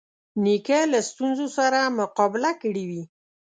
نیکه له ستونزو سره مقابله کړې وي.